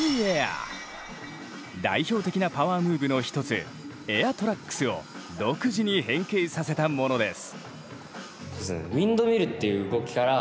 代表的なパワームーブの一つエアトラックスを独自に変形させたものです。